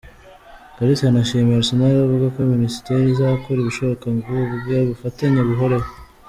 Kalisa yanashimiye Arsenal avuga ko Minisiteri izakora ibishoboka ngo ubwo bufatanye buhoreho.